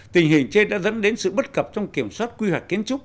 tình hình trên đã dẫn đến sự bất cập trong kiểm soát quy hoạch kiến trúc